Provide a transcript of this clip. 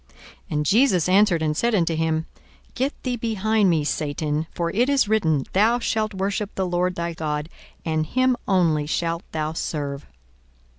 42:004:008 And Jesus answered and said unto him, Get thee behind me, Satan: for it is written, Thou shalt worship the Lord thy God, and him only shalt thou serve.